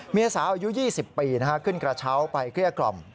เมียสาวอายุ๒๐ปีขึ้นกระเช้าไปเกลี้ยกล่อม